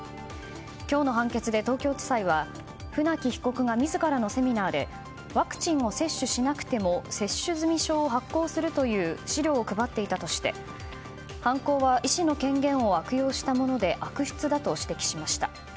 今日の判決で東京地裁は船木被告が自らのセミナーでワクチンを接種しなくても接種済み証を発行するという資料を配っていたとして犯行は医師の権限を悪用したもので悪質だと指摘しました。